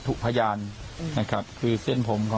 ทุกนิยมพยาบาทผู้รู้สึกเรียกว่า